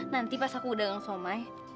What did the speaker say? nanti pas aku udah gang somai